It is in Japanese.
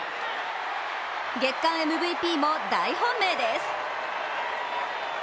月間ＭＶＰも大本命です。